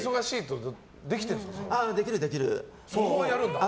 できる、できる。